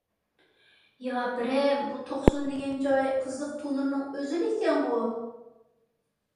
يا پىرىم، بۇ توقسۇن دېگەن جاي قىزىق تونۇرنىڭ ئۆزىلا ئىكەنغۇ.